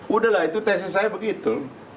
udah lah itu tesis saya begitu